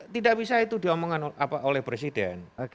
tidak bisa itu diomongkan oleh presiden